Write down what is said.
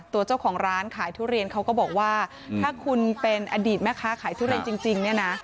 ตัวเจ้าของร้านขายทุเรียนเขาก็บอกว่าถ้าคุณเป็นอดีตแม่ค้าขายทุเรียนจริงเนี่ยนะ